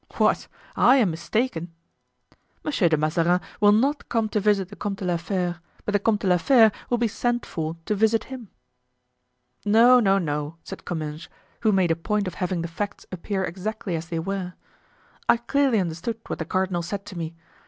"What? I am mistaken?" "Monsieur de Mazarin will not come to visit the Comte de la Fere, but the Comte de la Fere will be sent for to visit him." "No, no, no," said Comminges, who made a point of having the facts appear exactly as they were, "I clearly understood what the cardinal said to me.